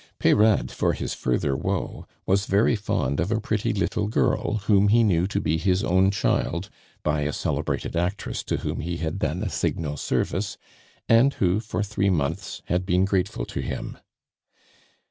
Peyrade, for his further woe, was very fond of a pretty little girl whom he knew to be his own child by a celebrated actress to whom he had done a signal service, and who, for three months, had been grateful to him.